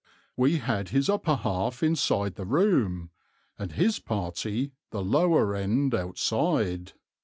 We had his upper half inside the room, and his party the lower end outside.